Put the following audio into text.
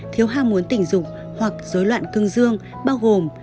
thiếu hàm muốn tỉnh dục hoặc dối loạn cương dương bao gồm